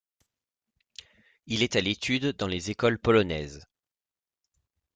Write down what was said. Il est à l'étude dans les écoles polonaises.